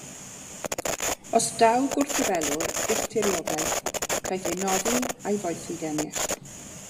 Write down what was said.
Os daw gwrthryfelwr i'ch tiriogaeth, caiff ei noddi a'i foethi gennych.